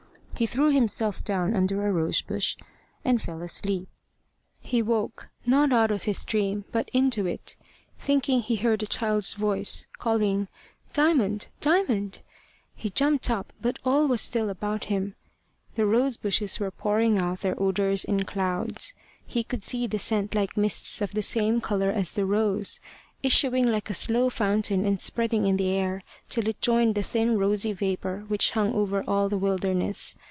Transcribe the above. He threw himself down under a rose bush, and fell asleep. He woke, not out of his dream, but into it, thinking he heard a child's voice, calling "Diamond, Diamond!" He jumped up, but all was still about him. The rose bushes were pouring out their odours in clouds. He could see the scent like mists of the same colour as the rose, issuing like a slow fountain and spreading in the air till it joined the thin rosy vapour which hung over all the wilderness.